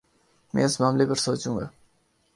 میں اس معاملے پر سوچوں گا